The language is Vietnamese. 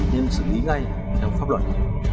nên xử lý ngay theo pháp luật